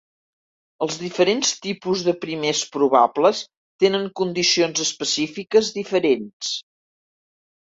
Els diferents tipus de primers probables tenen condicions específiques diferents.